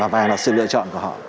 và là sự lựa chọn của họ